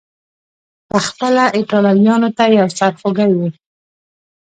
پخپله ایټالویانو ته یو سر خوږی و.